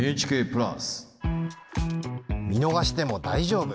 見逃しても大丈夫！